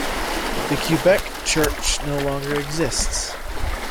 The Quebec church no longer exists.